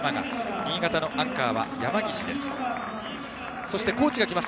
新潟のアンカーは山岸です。